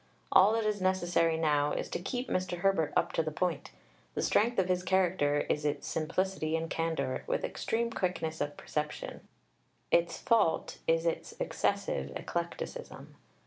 All that is necessary now is to keep Mr. Herbert up to the point. The strength of his character is its simplicity and candour, with extreme quickness of perception; its fault is its excessive eclecticism.